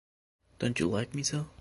Don't you like me so?